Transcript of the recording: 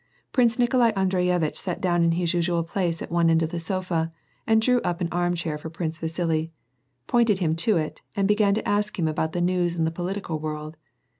Prince Nikolai Andreyevitch sat down in his usual place at one end of the sofa, drew up an arm chair for Prince Vasili, pointed him to it, and began to ask him about the news in the political world.